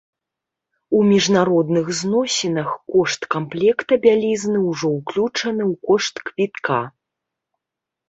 У міжнародных зносінах кошт камплекта бялізны ўжо ўключаны ў кошт квітка.